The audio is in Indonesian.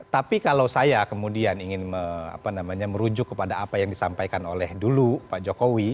tapi kalau saya kemudian ingin merujuk kepada apa yang disampaikan oleh dulu pak jokowi